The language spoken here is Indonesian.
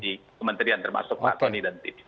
di kementerian termasuk pak tony dan tim